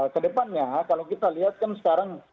ke depannya kalau kita lihat kan sekarang